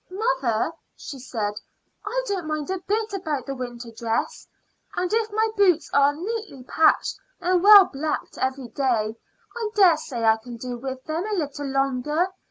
"Mother," she said, "I don't mind a bit about the winter dress; and if my boots are neatly patched and well blacked every day, I dare say I can do with them a little longer.